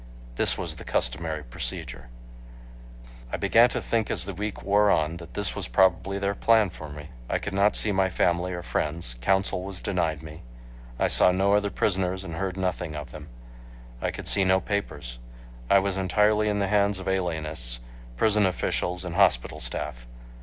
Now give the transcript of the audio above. This was the customary procedure. I began to think as the week wore on that this was probably their plan for me. I could not see my family or friends; counsel was denied me; I saw no other prisoners and heard nothing of them; I could see no papers; I was entirely in the hands of alienists, prison officials and hospital staff.